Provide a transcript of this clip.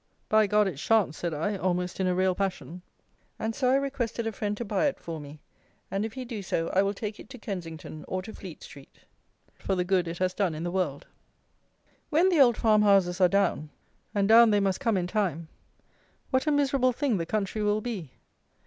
"By it shan't," said I, almost in a real passion: and so I requested a friend to buy it for me; and if he do so, I will take it to Kensington, or to Fleet street, and keep it for the good it has done in the world. When the old farmhouses are down (and down they must come in time) what a miserable thing the country will be!